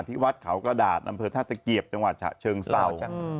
ที่วัดเขากระดาษอำเภอท่าตะเกียบจังหวัดฉะเชิงเศร้า